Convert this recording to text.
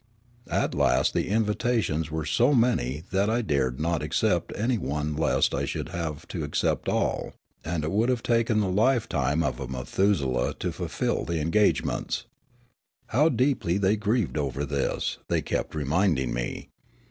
At last the invitations were so many that I dared not ac cept any one lest I should have to accept all ; and it would have taken the lifetime of a Methuselah to fulfil the engagements. How deeply they grieved over this, they kept reminding me.